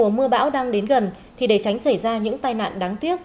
mùa mưa bão đang đến gần thì để tránh xảy ra những tai nạn đáng tiếc